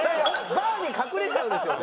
バーに隠れちゃうんですよね。